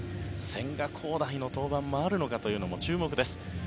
千賀滉大の登板もあるのかというのも注目です。